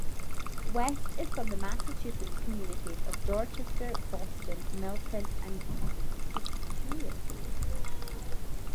West is from the Massachusetts communities of Dorchester, Boston, Milton and Scituate.